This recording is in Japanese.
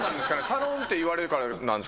サロンって言われるからなんですかね。